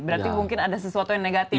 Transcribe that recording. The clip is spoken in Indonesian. berarti mungkin ada sesuatu yang negatif di situ